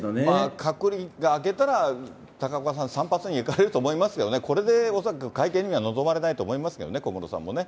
隔離が明けたら高岡さん、散髪に行かれると思いますけどね、これで恐らく会見には臨まれないと思いますけどね、小室さんもね。